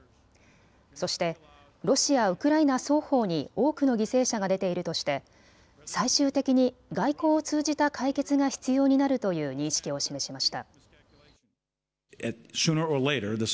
そしてロシア、ウクライナ双方に多くの犠牲者が出ているとして最終的に外交を通じた解決が必要になるという認識を示しました。